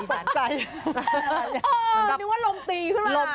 เออนึกว่าลมตีขึ้นล่ะ